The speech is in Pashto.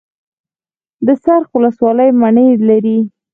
د څرخ ولسوالۍ مڼې لري